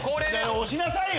押しなさいよ！